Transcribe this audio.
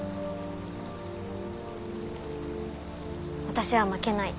私は負けない。